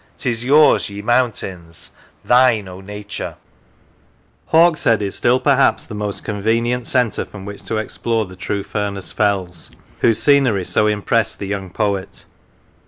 'tis yours, ye mountains ! thine, O Nature !" Hawkshead is still, perhaps, the most convenient centre from which to explore the true Furness fells, whose scenery so impressed the young poet.